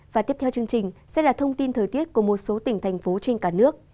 và tiếp theo chương trình sẽ là thông tin thời tiết của một số tỉnh thành phố trên cả nước